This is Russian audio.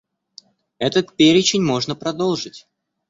Этот перечень можно продолжить.